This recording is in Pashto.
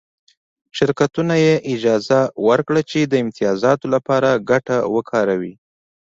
شرکتونو ته یې اجازه ورکړه چې د امتیازاتو لپاره ګټه وکاروي